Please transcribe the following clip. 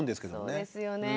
そうですよね。